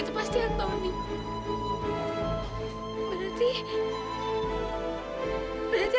antoni masih hidup